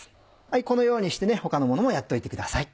このようにして他のものもやっといてください。